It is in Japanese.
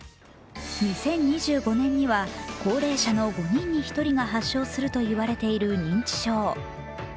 ２０２５年には高齢者の５人に１人が発症するといわれている認知症。